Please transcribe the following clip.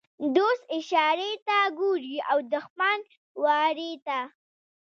ـ دوست اشارې ته ګوري او دښمن وارې ته.